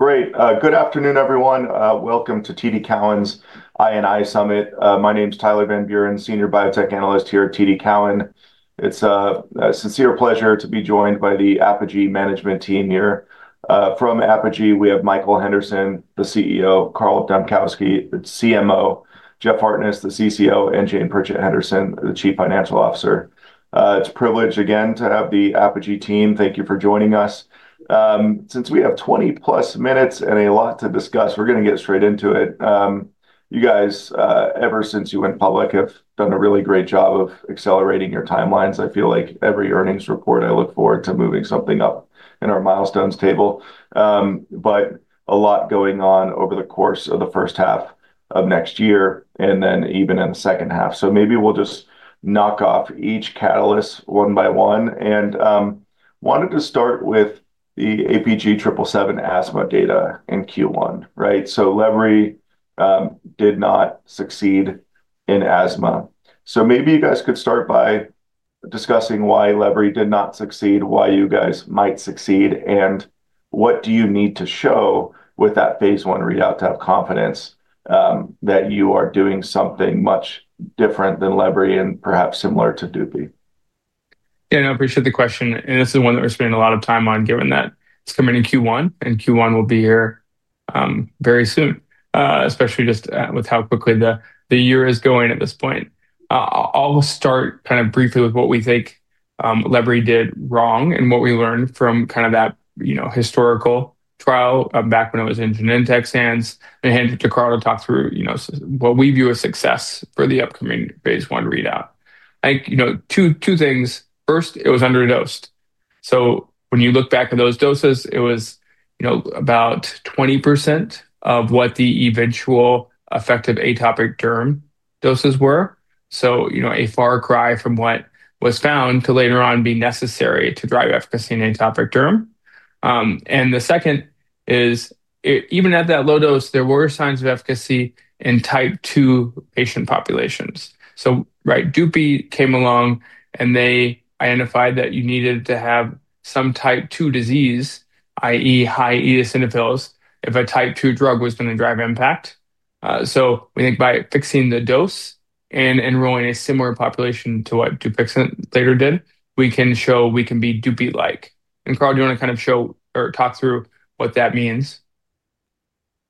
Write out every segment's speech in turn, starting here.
Great. Good afternoon, everyone. Welcome to TD Cowen's I&I Summit. My name is Tyler Van Buren, Senior Biotech Analyst here at TD Cowen. It's a sincere pleasure to be joined by the Apogee Management Team here. From Apogee, we have Michael Henderson, the CEO; Carl Dambkowski, the CMO; Jeff Hartness, the CCO; and Jane Pritchett Henderson, the Chief Financial Officer. It's a privilege again to have the Apogee team. Thank you for joining us. Since we have 20-plus minutes and a lot to discuss, we're going to get straight into it. You guys, ever since you went public, have done a really great job of accelerating your timelines. I feel like every earnings report, I look forward to moving something up in our milestones table. A lot going on over the course of the first half of next, and then even in the second half. Maybe we'll just knock off each catalyst one by one. I wanted to start with the APG777 asthma data in Q1, right? Ebglyss did not succeed in asthma. Maybe you guys could start by discussing why Ebglyss did not succeed, why you guys might succeed, and what do you need to show with that phase 1 readout to have confidence that you are doing something much different than Ebglyss and perhaps similar to Dupixent? Yeah, I appreciate the question. This is one that we're spending a lot of time on, given that it's coming in Q1, and Q1 will be here very soon, especially just with how quickly the year is going at this point. I'll start kind of briefly with what we think Ebglyss did wrong and what we learned from kind of that historical trial back when it was in Genentech's hands. I will then hand it to Carl to talk through what we view as success for the upcoming phase 1 readout. Two things. First, it was underdosed. When you look back at those doses, it was about 20% of what the eventual effective atopic derm doses were. A far cry from what was found to later on be necessary to drive efficacy in atopic derm. The second is, even at that low dose, there were signs of efficacy in type 2 patient populations. Doopie came along, and they identified that you needed to have some type 2 disease, i.e., high eosinophils, if a type 2 drug was going to drive impact. We think by fixing the dose and enrolling a similar population to what Doopie later did, we can show we can be Doopie-like. Carl, do you want to kind of show or talk through what that means?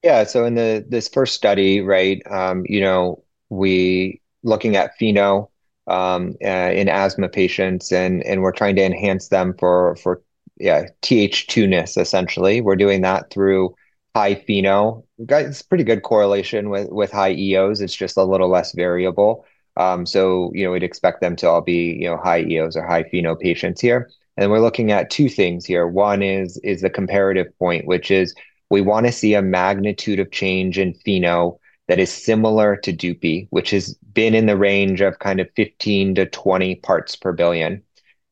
Yeah. In this first study, we're looking at FeNO in asthma patients, and we're trying to enhance them for TH2-ness, essentially. We're doing that through high FeNO. It's a pretty good correlation with high eos. It's just a little less variable. We'd expect them to all be high eos or high FeNO patients here. We're looking at two things here. One is the comparative point, which is we want to see a magnitude of change in FeNO that is similar to Dupixent, which has been in the range of kind of 15-20 parts per billion.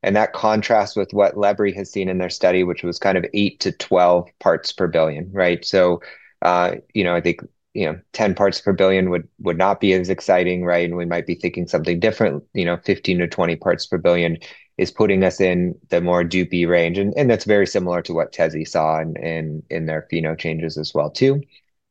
That contrasts with what Ebglyss has seen in their study, which was kind of 8-12 parts per billion. I think 10 parts per billion would not be as exciting, and we might be thinking something different. 15-20 parts per billion is putting us in the more Dupixent range. That is very similar to what Tezspire saw in their FeNO changes as well, too.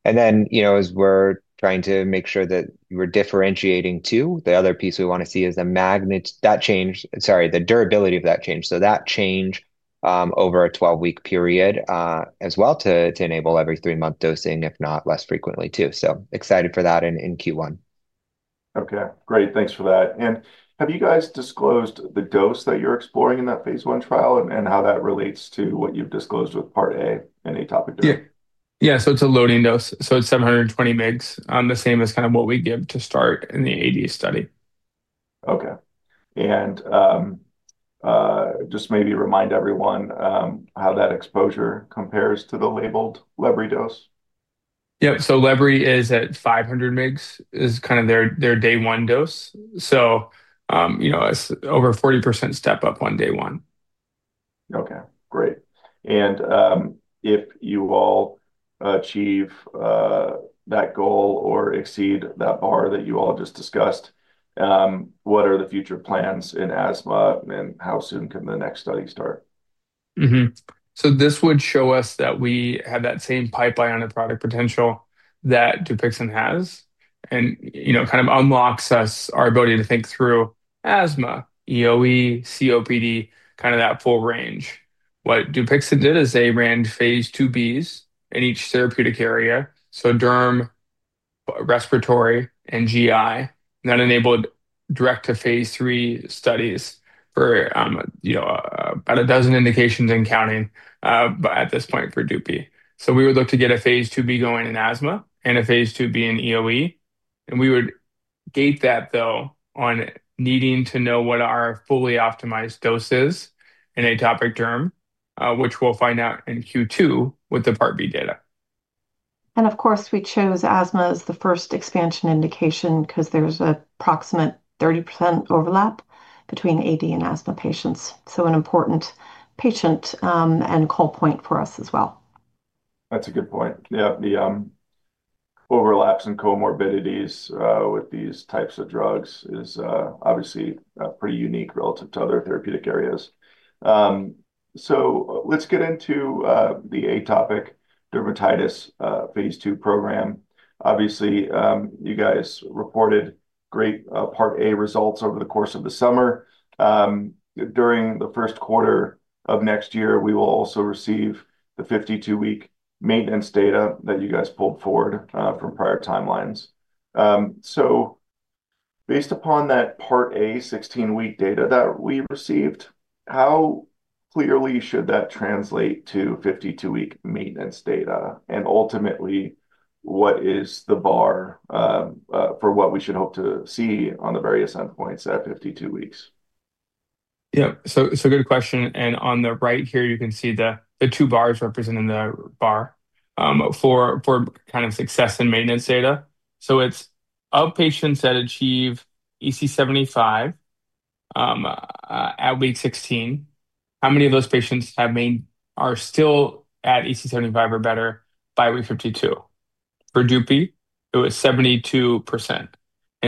As we are trying to make sure that we are differentiating too, the other piece we want to see is the change, sorry, the durability of that change. That change over a 12-week period as well to enable every three-month dosing, if not less frequently, too. Excited for that in Q1. Okay. Great. Thanks for that. Have you guys disclosed the dose that you're exploring in that phase 1 trial and how that relates to what you've disclosed with part A in atopic derm? Yeah. So it's a loading dose. So it's 720 mg, the same as kind of what we give to start in the AD study. Okay. And just maybe remind everyone how that exposure compares to the labeled Ebglyss dose. Yep. So Ebglyss is at 500 mg. It's kind of their day-one dose. So over 40% step-up on day one. Okay. Great. If you all achieve that goal or exceed that bar that you all just discussed, what are the future plans in asthma, and how soon can the next study start? This would show us that we have that same pipeline and product potential that Dupixent has and kind of unlocks our ability to think through asthma, EoE, COPD, kind of that full range. What Dupixent did is they ran phase 2Bs in each therapeutic area, so derm, respiratory, and GI, and that enabled direct-to-phase 3 studies for about a dozen indications and counting at this point for Dupixent. We would look to get a phase 2B going in asthma and a phase 2B in EoE. We would gate that, though, on needing to know what our fully optimized dose is in atopic derm, which we'll find out in Q2 with the part B data. We chose asthma as the first expansion indication because there's an approximate 30% overlap between AD and asthma patients. It is an important patient and call point for us as well. That's a good point. Yeah. The overlaps and comorbidities with these types of drugs is obviously pretty unique relative to other therapeutic areas. Let's get into the atopic dermatitis phase 2 program. Obviously, you guys reported great part A results over the course of the summer. During the first quarter of next year, we will also receive the 52-week maintenance data that you guys pulled forward from prior timelines. Based upon that part A 16-week data that we received, how clearly should that translate to 52-week maintenance data? Ultimately, what is the bar for what we should hope to see on the various endpoints at 52 weeks? Yeah. Good question. On the right here, you can see the two bars representing the bar for kind of success in maintenance data. It is of patients that achieve EC75 at week 16, how many of those patients are still at EC75 or better by week 52? For Doopie, it was 72%.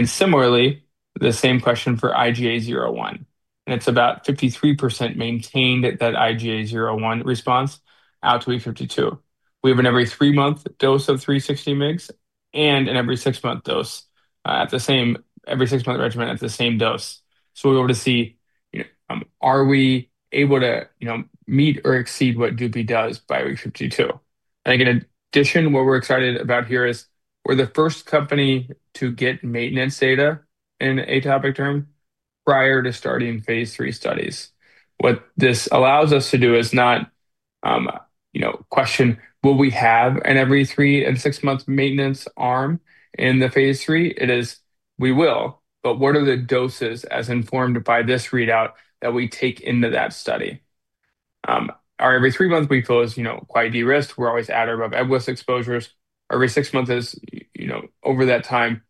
Similarly, the same question for IGA01, and it is about 53% maintained at that IGA01 response out to week 52. We have an every three-month dose of 360 mg and an every six-month dose at the same every six-month regimen at the same dose. We are able to see, are we able to meet or exceed what Doopie does by week 52? In addition, what we are excited about here is we are the first company to get maintenance data in atopic derm prior to starting phase 3 studies. What this allows us to do is not question, will we have an every three- and six-month maintenance arm in the phase 3? It is, we will, but what are the doses as informed by this readout that we take into that study? Our every three-month week flow is quite de-risked. We're always at or above Ebglyss exposures. Our every six-month is, over that time,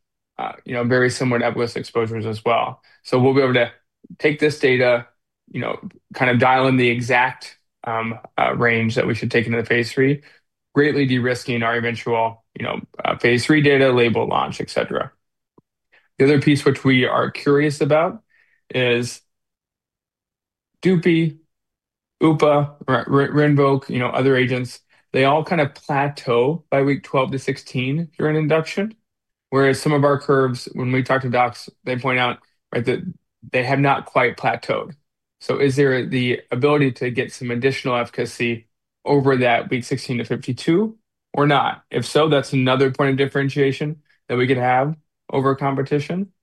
very similar to Ebglyss exposures as well. We will be able to take this data, kind of dial in the exact range that we should take into the phase 3, greatly de-risking our eventual phase 3 data, label launch, etc. The other piece which we are curious about is Doopie, OOPA, Rinvoq, other agents. They all kind of plateau by week 12-16 during induction, whereas some of our curves, when we talk to docs, they point out that they have not quite plateaued. Is there the ability to get some additional efficacy over that week 16-52 or not? If so, that's another point of differentiation that we could have over competition.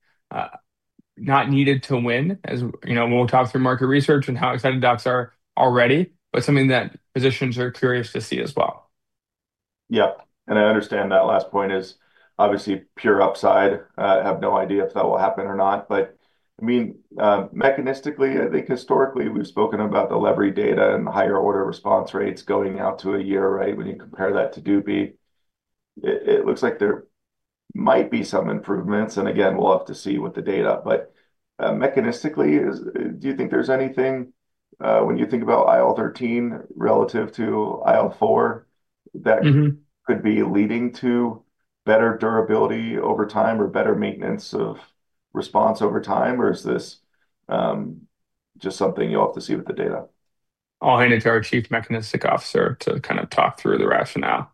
Not needed to win, as we'll talk through market research and how excited docs are already, but something that physicians are curious to see as well. Yep. I understand that last point is obviously pure upside. I have no idea if that will happen or not. I mean, mechanistically, I think historically, we've spoken about the Ebglyss data and the higher order response rates going out to a year, right? When you compare that to Dupixent, it looks like there might be some improvements. Again, we'll have to see with the data. Mechanistically, do you think there's anything when you think about IL-13 relative to IL-4 that could be leading to better durability over time or better maintenance of response over time? Or is this just something you'll have to see with the data? I'll hand it to our Chief Medical Officer to kind of talk through the rationale.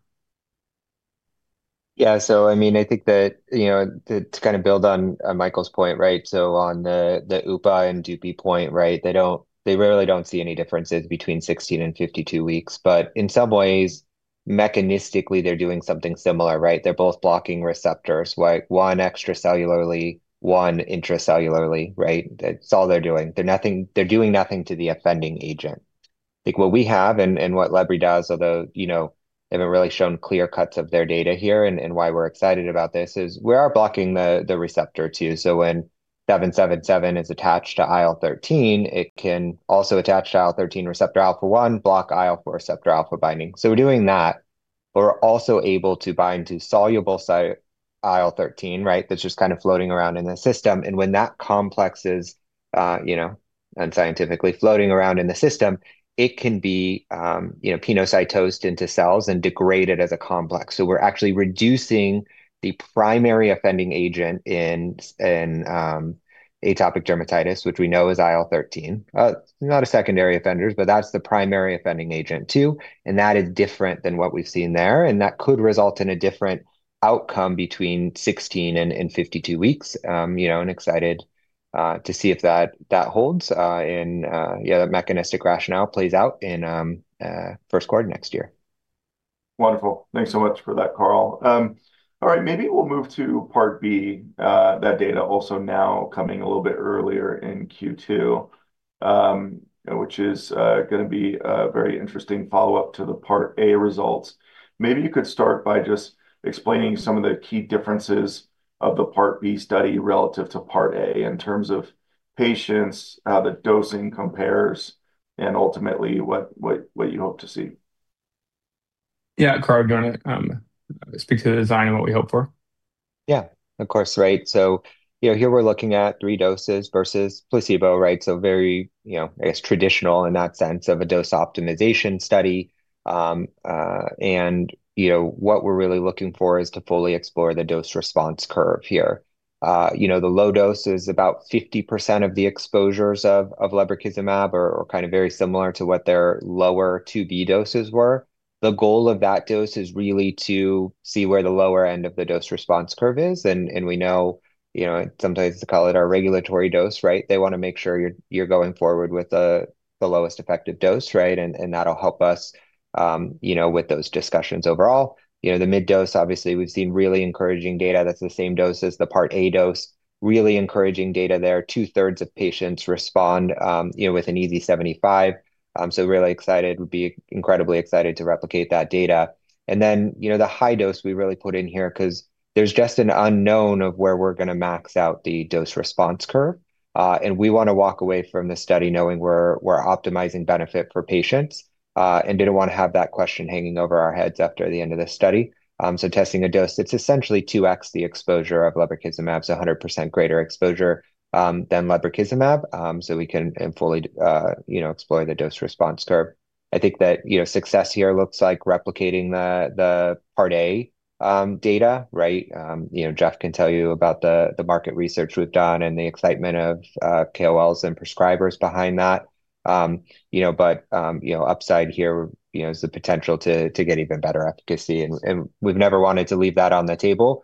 Yeah. So I mean, I think that to kind of build on Michael's point, right? On the OOPA and Doopie point, right, they rarely don't see any differences between 16 and 52 weeks. In some ways, mechanistically, they're doing something similar, right? They're both blocking receptors, one extracellularly, one intracellularly, right? That's all they're doing. They're doing nothing to the offending agent. What we have and what Ebglyss does, although they haven't really shown clear cuts of their data here and why we're excited about this, is we are blocking the receptor, too. When 777 is attached to IL-13, it can also attach to IL-13 receptor alpha-1, block IL-4 receptor alpha-binding. We're doing that. We're also able to bind to soluble IL-13, right? That's just kind of floating around in the system. When that complex is unscientifically floating around in the system, it can be penocytosed into cells and degraded as a complex. We are actually reducing the primary offending agent in atopic dermatitis, which we know is IL-13. Not a secondary offender, but that is the primary offending agent, too. That is different than what we have seen there. That could result in a different outcome between 16 and 52 weeks. I am excited to see if that holds and, yeah, that mechanistic rationale plays out in first quarter next year. Wonderful. Thanks so much for that, Carl. All right. Maybe we'll move to part B, that data also now coming a little bit earlier in Q2, which is going to be a very interesting follow-up to the part A results. Maybe you could start by just explaining some of the key differences of the part B study relative to part A in terms of patients, how the dosing compares, and ultimately what you hope to see. Yeah. Carl, do you want to speak to the design of what we hope for? Yeah. Of course, right? Here we're looking at three doses versus placebo, right? Very, I guess, traditional in that sense of a dose optimization study. What we're really looking for is to fully explore the dose response curve here. The low dose is about 50% of the exposures of lebrikizumab or kind of very similar to what their lower 2B doses were. The goal of that dose is really to see where the lower end of the dose response curve is. We know sometimes they call it our regulatory dose, right? They want to make sure you're going forward with the lowest effective dose, right? That'll help us with those discussions overall. The mid-dose, obviously, we've seen really encouraging data that's the same dose as the part A dose, really encouraging data there. Two-thirds of patients respond with an EASI-75. Really excited, would be incredibly excited to replicate that data. The high dose we really put in here because there's just an unknown of where we're going to max out the dose response curve. We want to walk away from the study knowing we're optimizing benefit for patients and didn't want to have that question hanging over our heads after the end of this study. Testing a dose, it's essentially 2x the exposure of lebrikizumab, so 100% greater exposure than lebrikizumab so we can fully explore the dose response curve. I think that success here looks like replicating the part A data, right? Jeff can tell you about the market research we've done and the excitement of KOLs and prescribers behind that. Upside here is the potential to get even better efficacy. We have never wanted to leave that on the table,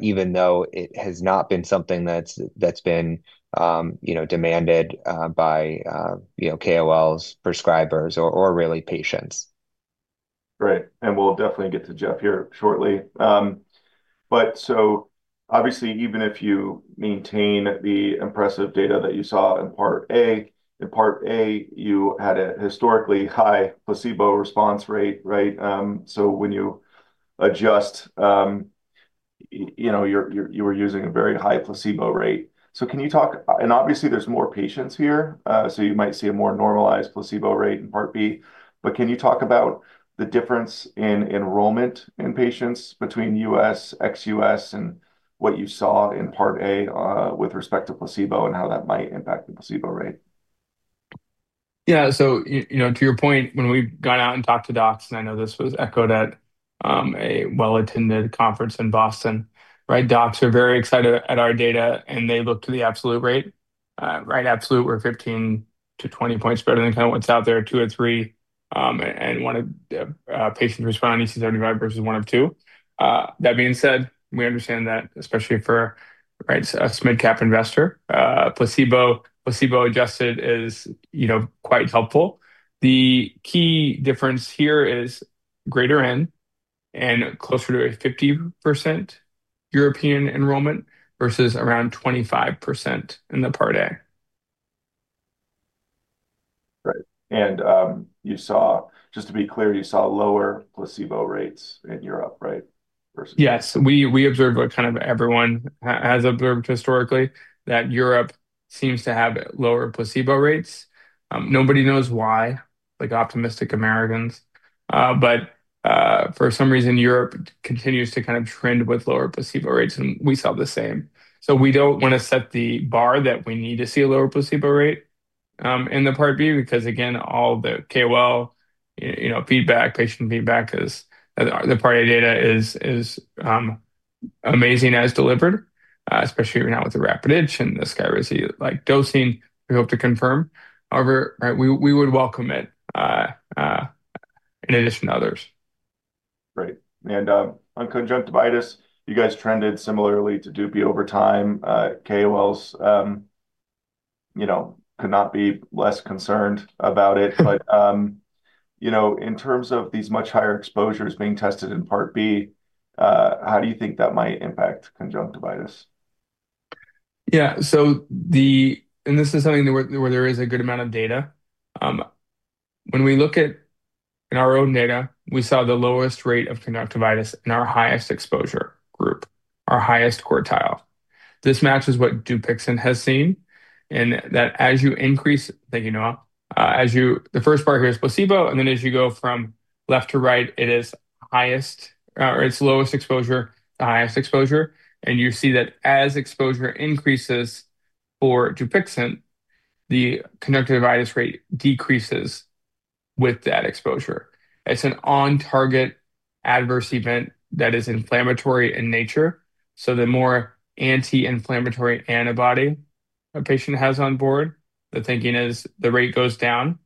even though it has not been something that has been demanded by KOLs, prescribers, or really patients. Great. We will definitely get to Jeff here shortly. Obviously, even if you maintain the impressive data that you saw in part A, in part A, you had a historically high placebo response rate, right? When you adjust, you were using a very high placebo rate. Can you talk, and obviously, there are more patients here, so you might see a more normalized placebo rate in part B. Can you talk about the difference in enrollment in patients between U.S., ex-U.S., and what you saw in part A with respect to placebo and how that might impact the placebo rate? Yeah. To your point, when we got out and talked to docs, and I know this was echoed at a well-attended conference in Boston, right? Docs are very excited at our data, and they look to the absolute rate. Right? Absolute, we are 15-20 percentage points better than kind of what is out there, two of three, and one of patients responding to EC75 versus one of two. That being said, we understand that, especially for a mid-cap investor, placebo-adjusted is quite helpful. The key difference here is greater N and closer to a 50% European enrollment versus around 25% in the part A. Right. Just to be clear, you saw lower placebo rates in Europe, right? Yes. We observed what kind of everyone has observed historically, that Europe seems to have lower placebo rates. Nobody knows why, like optimistic Americans. For some reason, Europe continues to kind of trend with lower placebo rates, and we saw the same. We do not want to set the bar that we need to see a lower placebo rate in the part B because, again, all the KOL feedback, patient feedback, the part A data is amazing as delivered, especially now with the rapid itch and the sclerosis-like dosing, we hope to confirm. However, we would welcome it in addition to others. Right. On conjunctivitis, you guys trended similarly to Dupixent over time. KOLs could not be less concerned about it. In terms of these much higher exposures being tested in part B, how do you think that might impact conjunctivitis? Yeah. This is something where there is a good amount of data. When we look at our own data, we saw the lowest rate of conjunctivitis in our highest exposure group, our highest quartile. This matches what Dupixent has seen. As you increase, the first part here is placebo, and then as you go from left to right, it is lowest exposure to highest exposure. You see that as exposure increases for Dupixent, the conjunctivitis rate decreases with that exposure. It is an on-target adverse event that is inflammatory in nature. The more anti-inflammatory antibody a patient has on board, the thinking is the rate goes down,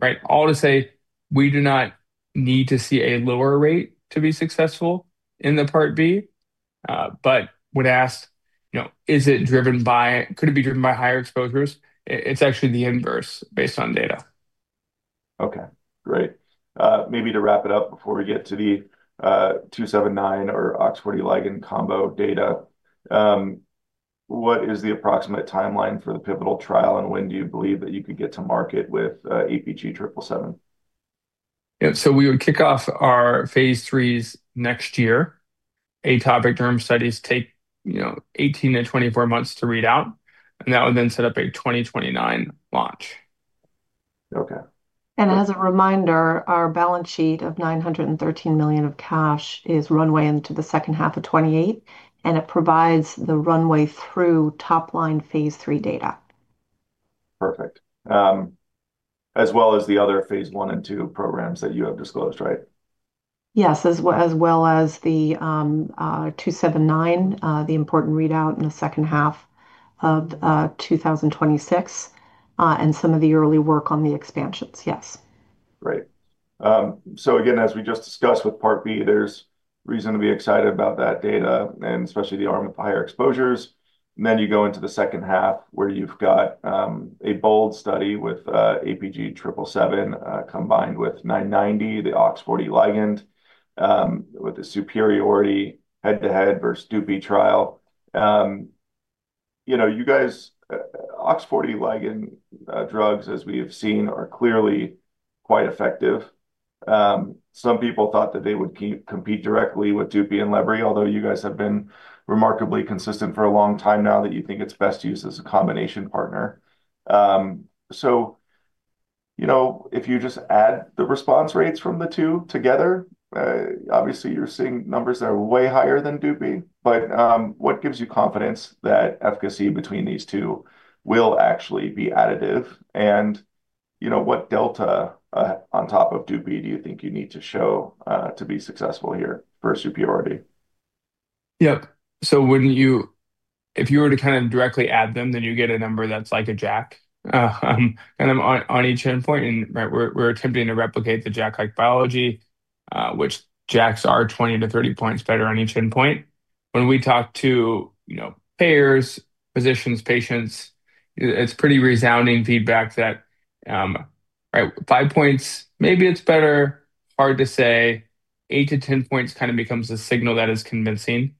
right? All to say, we do not need to see a lower rate to be successful in the part B. When asked, is it driven by, could it be driven by higher exposures? It's actually the inverse based on data. Okay. Great. Maybe to wrap it up before we get to the 279 or Oxford ELIGAN combo data, what is the approximate timeline for the pivotal trial, and when do you believe that you could get to market with APG777? Yeah. We would kick off our phase 3s next year. Atopic derm studies take 18-24 months to read out. That would then set up a 2029 launch. Okay. As a reminder, our balance sheet of $913 million of cash is runway into the second half of 2028, and it provides the runway through top-line phase 3 data. Perfect. As well as the other phase 1 and 2 programs that you have disclosed, right? Yes. As well as the 279, the important readout in the second half of 2026, and some of the early work on the expansions, yes. Great. So again, as we just discussed with part B, there's reason to be excited about that data and especially the arm of higher exposures. You go into the second half where you've got a bold study with APG777 combined with APG990, the Oxford elegant, with the superiority head-to-head versus Dupixent trial. You guys, Oxford elegant drugs, as we have seen, are clearly quite effective. Some people thought that they would compete directly with Dupixent and Ebglyss, although you guys have been remarkably consistent for a long time now that you think it's best used as a combination partner. If you just add the response rates from the two together, obviously, you're seeing numbers that are way higher than Dupixent. What gives you confidence that efficacy between these two will actually be additive? What delta on top of Dupixent do you think you need to show to be successful here for superiority? Yeah. If you were to kind of directly add them, then you get a number that's like a JAK kind of on each endpoint. We're attempting to replicate the JAK-like biology, which JAKs are 20-30 points better on each endpoint. When we talk to payers, physicians, patients, it's pretty resounding feedback that, right, 5 points, maybe it's better, hard to say. 8-10 points kind of becomes a signal that is convincing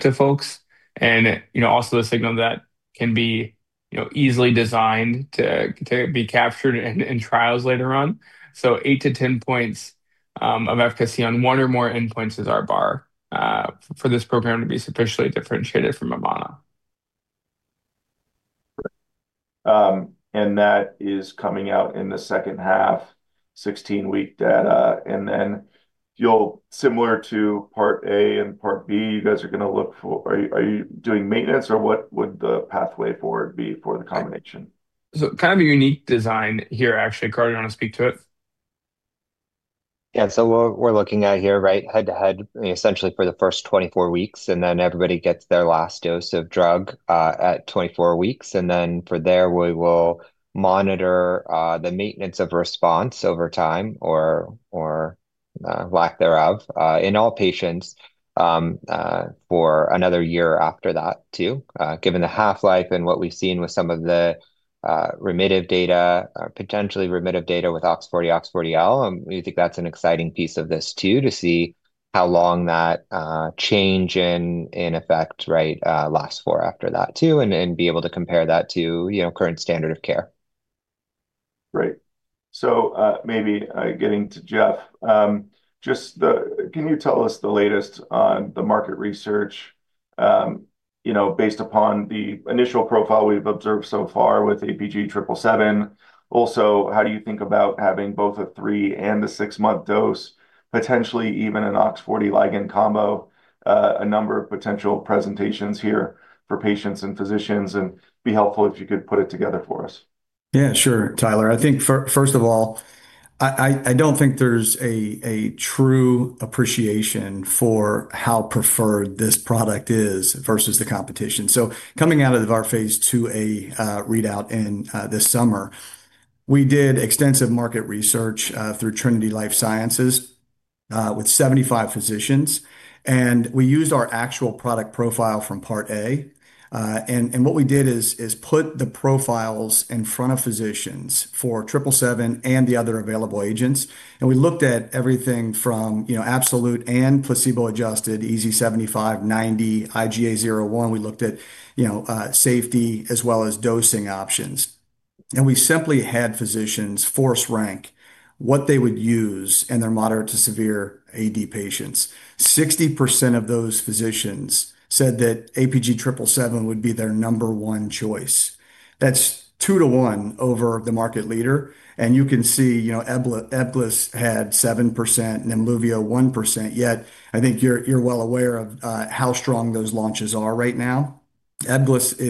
to folks. Also a signal that can be easily designed to be captured in trials later on. 8-10 points of efficacy on one or more endpoints is our bar for this program to be sufficiently differentiated from Ebglyss. That is coming out in the second half, 16-week data. Similar to part A and part B, you guys are going to look for are you doing maintenance, or what would the pathway forward be for the combination? Kind of a unique design here, actually. Carl, do you want to speak to it? Yeah. What we're looking at here, right, head-to-head, essentially for the first 24 weeks, and then everybody gets their last dose of drug at 24 weeks. From there, we will monitor the maintenance of response over time or lack thereof in all patients for another year after that, too, given the half-life and what we've seen with some of the remitted data, potentially remitted data with Oxford ELIGAN. We think that's an exciting piece of this, too, to see how long that change in effect, right, lasts for after that, too, and be able to compare that to current standard of care. Great. Maybe getting to Jeff, just can you tell us the latest on the market research based upon the initial profile we've observed so far with APG777? Also, how do you think about having both a three and a six-month dose, potentially even an APG990 combo? A number of potential presentations here for patients and physicians. It'd be helpful if you could put it together for us. Yeah, sure, Tyler. I think, first of all, I don't think there's a true appreciation for how preferred this product is versus the competition. Coming out of our phase 2a readout in this summer, we did extensive market research through Trinity Life Sciences with 75 physicians. We used our actual product profile from part A. What we did is put the profiles in front of physicians for 777 and the other available agents. We looked at everything from absolute and placebo-adjusted EASI-75, 90, IGA 0/1. We looked at safety as well as dosing options. We simply had physicians force rank what they would use in their moderate to severe AD patients. 60% of those physicians said that APG777 would be their number one choice. That's 2-1 over the market leader. You can see Ebglyss had 7%, Nemluvio 1%. Yet I think you're well aware of how strong those launches are right now. Ebglyss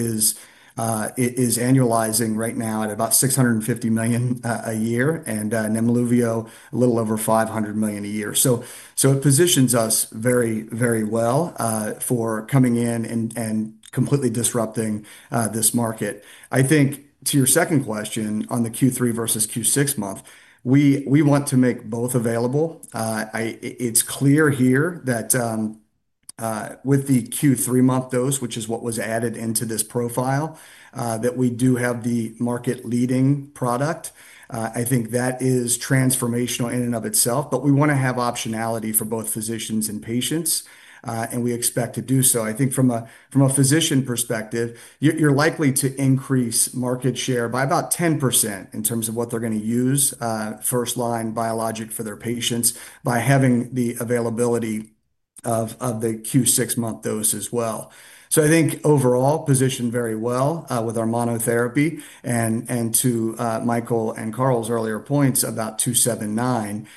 is annualizing right now at about $650 million a year, and Nemluvio a little over $500 million a year. It positions us very, very well for coming in and completely disrupting this market. I think to your second question on the Q3 versus Q6 month, we want to make both available. It's clear here that with the Q3 month dose, which is what was added into this profile, we do have the market-leading product. I think that is transformational in and of itself. We want to have optionality for both physicians and patients. We expect to do so. I think from a physician perspective, you're likely to increase market share by about 10% in terms of what they're going to use first-line biologic for their patients by having the availability of the Q6 month dose as well. I think overall positioned very well with our monotherapy. To Michael and Carl's earlier points about 279,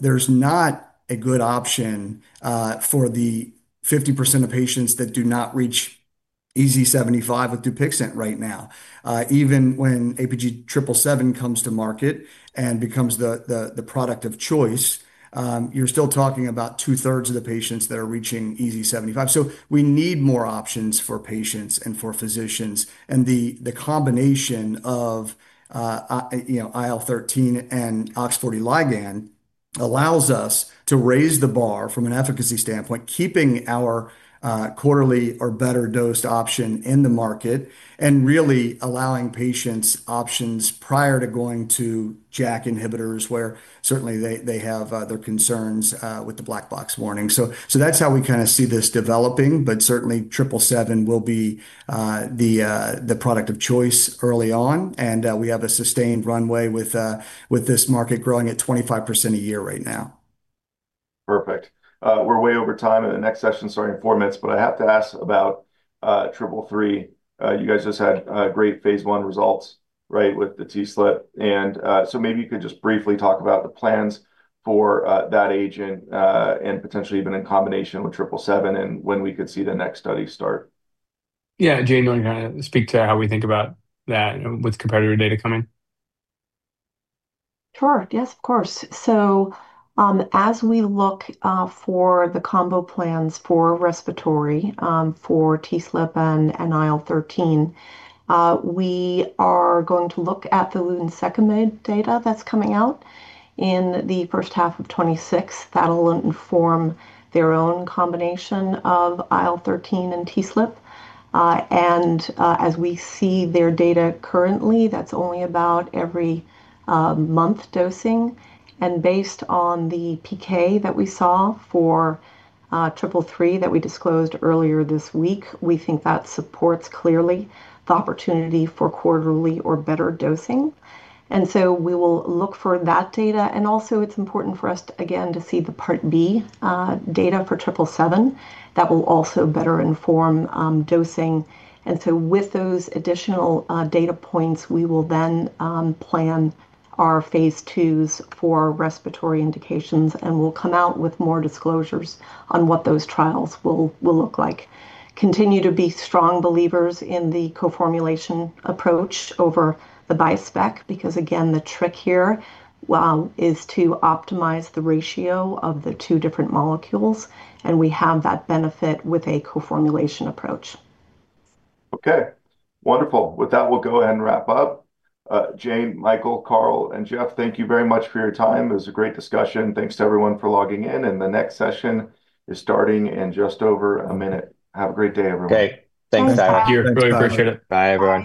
there's not a good option for the 50% of patients that do not reach EASI-75 with Dupixent right now. Even when APG777 comes to market and becomes the product of choice, you're still talking about two-thirds of the patients that are reaching EASI-75. We need more options for patients and for physicians. The combination of IL-13 and OX40L allows us to raise the bar from an efficacy standpoint, keeping our quarterly or better dosed option in the market and really allowing patients options prior to going to JAK inhibitors where certainly they have their concerns with the black box warning. That is how we kind of see this developing. Certainly, 777 will be the product of choice early on. We have a sustained runway with this market growing at 25% a year right now. Perfect. We're way over time in the next session, starting in four minutes. I have to ask about 333. You guys just had great phase 1 results, right, with the TSLP. Maybe you could just briefly talk about the plans for that agent and potentially even in combination with 777 and when we could see the next study start. Yeah. Jane will kind of speak to how we think about that with competitor data coming. Sure. Yes, of course. As we look for the combo plans for respiratory, for TSLP and IL-13, we are going to look at the lebrikizumab second-made data that's coming out in the first half of 2026. That will inform their own combination of IL-13 and TSLP. As we see their data currently, that's only about every month dosing. Based on the PK that we saw for 333 that we disclosed earlier this week, we think that supports clearly the opportunity for quarterly or better dosing. We will look for that data. Also, it's important for us, again, to see the part B data for 777 that will also better inform dosing. With those additional data points, we will then plan our phase twos for respiratory indications and will come out with more disclosures on what those trials will look like. Continue to be strong believers in the co-formulation approach over the bispec because, again, the trick here is to optimize the ratio of the two different molecules. We have that benefit with a co-formulation approach. Okay. Wonderful. With that, we'll go ahead and wrap up. Jane, Michael, Carl, and Jeff, thank you very much for your time. It was a great discussion. Thanks to everyone for logging in. The next session is starting in just over a minute. Have a great day, everyone. Okay. Thanks, Tyler. Appreciate it. Bye, everyone.